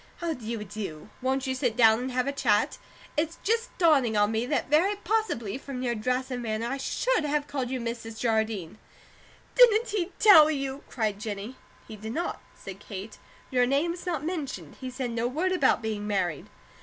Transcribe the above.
How do you do? Won't you sit down and have a chat? It's just dawning on me that very possibly, from your dress and manner, I SHOULD have called you Mrs. Jardine." "Didn't he tell you?" cried Jennie. "He did not," said Kate. "Your name was not mentioned. He said no word about being married."